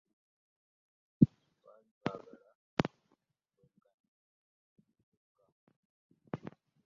Twali twagala bwenkanya kye kyokka.